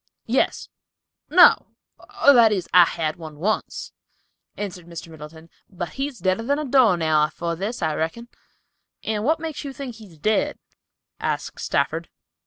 "Yes—no, or, that is, I had one once," answered Mr. Middleton, "but he's deader than a door nail afore this, I reckon." "And what makes you think he is dead?" asked Stafford.